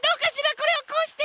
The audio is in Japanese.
これをこうして。